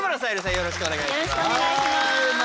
よろしくお願いします。